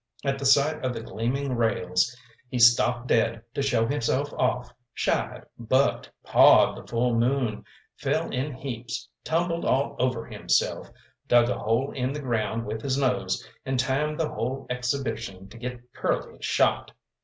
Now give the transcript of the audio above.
At the sight of the gleaming rails, he stopped dead to show himself off, shied, bucked, pawed the full moon, fell in heaps, tumbled all over himself, dug a hole in the ground with his nose, and timed the whole exhibition to get Curly shot.